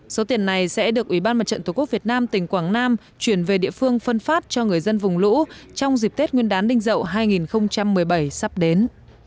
số tiền này sẽ được ủy ban mặt trận tổ quốc việt nam tỉnh quảng nam chuyển về địa phương phân phát cho người dân vùng lũ trong dịp tết nguyên đán đinh dậu hai nghìn một mươi bảy sắp đến